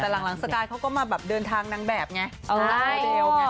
แต่หลังสกายเขาก็มาแบบเดินทางนางแบบไง